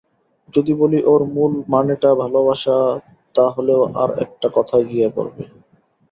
যদি বলি ওর মূল মানেটা ভালোবাসা তা হলেও আর-একটা কথায় গিয়ে পড়ব।